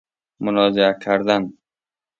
منازعه کردن